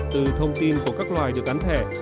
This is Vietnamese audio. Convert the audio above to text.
từ thông tin của các loài được gắn thẻ